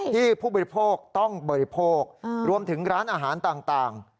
ผู้บริโภคต้องบริโภครวมถึงร้านอาหารต่าง